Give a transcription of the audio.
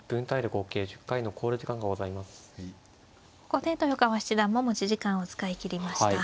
ここで豊川七段も持ち時間を使いきりました。